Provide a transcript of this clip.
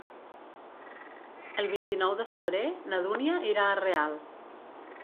El vint-i-nou de febrer na Dúnia irà a Real.